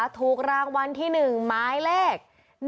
ถูกรางวัลที่๑หมายเลข๑